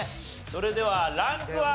それではランクは？